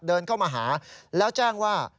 เดินเข้ามาหาแล้วแจ้งว่า